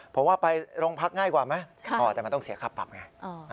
ผมว่าไปโรงพักง่ายกว่าไหมแต่มันต้องเสียค่าปรับไง